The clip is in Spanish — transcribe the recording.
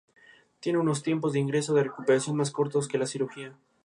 Luego emprendió una persecución, que dejó toda la región sin rastro de enemigos.